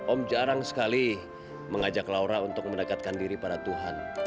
om jarang sekali mengajak laura untuk mendekatkan diri pada tuhan